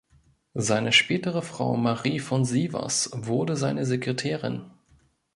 Seine spätere Frau Marie von Sievers wurde seine Sekretärin.